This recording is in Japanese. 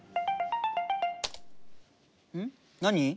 何？